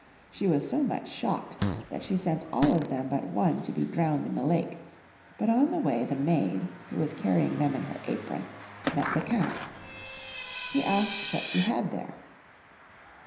She was so much shocked that she sent all of them but one to be drowned in the lake, but on the way the maid, who was carry ing them in her apron, met the count. He asked what she had there.